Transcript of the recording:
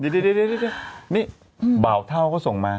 ดีนี่เบาเท่าก็ส่งมา